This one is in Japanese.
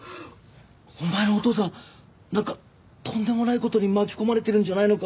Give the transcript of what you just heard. お前のお父さんなんかとんでもない事に巻き込まれてるんじゃないのか？